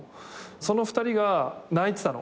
その２人が泣いてたの。